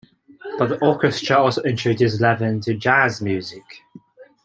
But the orchestra also introduced Levin to jazz music.